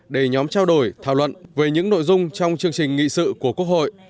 để nhóm trao đổi thảo luận về những nội dung trong chương trình nghị sự của quốc hội